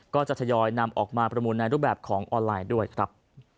ก็จะทยอยนำออกมาประมูลในรูปแบบของออนไลน์ด้วยครับ